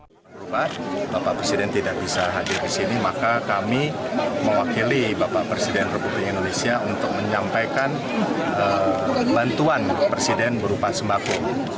setelah bapak presiden tidak bisa hadir di sini maka kami mewakili bapak presiden republik indonesia untuk menyampaikan bantuan presiden berupa sembako